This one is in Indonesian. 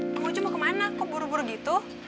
mang ojo mau kemana kok buru buru gitu